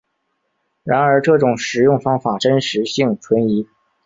然而这种食用方法真实性存疑。